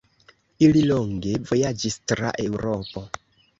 Ili longe vojaĝis tra Eŭropo.